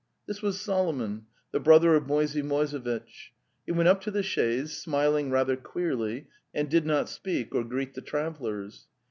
This was Solomon, the brother of Moisey Moise vitch. He went up to the chaise, smiling rather queerly, and did not speak or greet the travellers.